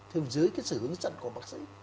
thường dưới cái sự hướng dẫn của bác sĩ